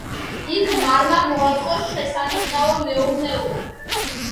იქ მარმა მოაწყო შესანიშნავი მეურნეობა.